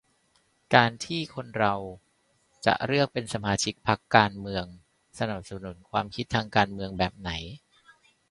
การที่คนเราจะเลือกเป็นสมาชิกพรรคการเมือง-สนับสนุนความคิดทางการเมืองแบบไหน